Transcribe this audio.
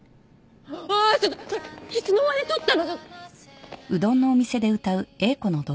ああっちょっとそれいつの間に撮ったの！？